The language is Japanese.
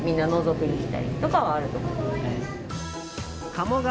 鴨川